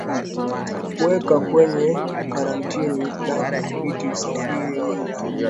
Kuweka kwenye karantini na kudhibiti usafiri wa wanyama